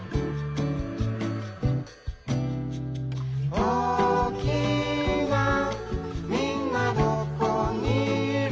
「おおきなみんなはどこにいる？」